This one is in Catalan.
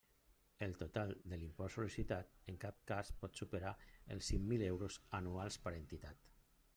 El total de l'import sol·licitat en cap cas pot superar els cinc mil euros anuals per entitat.